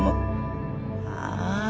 ああ。